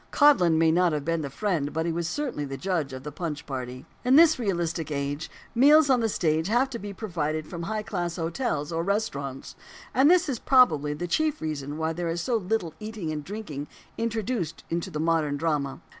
Codlin may not have been "the friend"; but he was certainly the judge of the "Punch" party. In this realistic age, meals on the stage have to be provided from high class hotels or restaurants; and this is, probably, the chief reason why there is so little eating and drinking introduced into the modern drama.